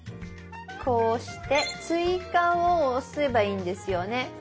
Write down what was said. こうして「追加」を押せばいいんですよね？